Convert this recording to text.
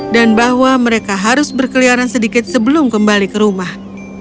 dan bahwa mereka harus berkeliaran sedikit sebelum kembali ke rumah